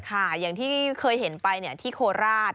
อย่างที่เคยเห็นไปที่โคราช